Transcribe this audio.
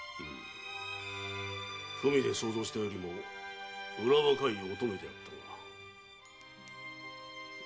文で想像したよりもうら若い乙女であったが。